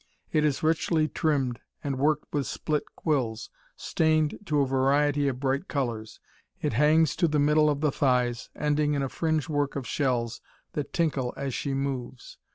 It is richly trimmed, and worked with split quills, stained to a variety of bright colours. It hangs to the middle of the thighs, ending in a fringe work of shells, that tinkle as she moves.